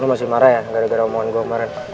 omongan gue kemaren